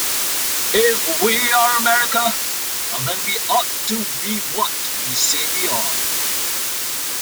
If we are America, then we ought to be what we say we are.